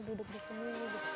duduk di sini